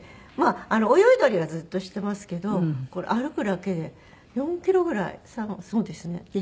まあ泳いだりはずっとしてますけどこれ歩くだけで４キロぐらいそうですね。